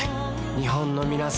日本のみなさん